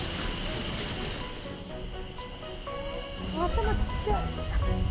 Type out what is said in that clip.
頭ちっちゃい！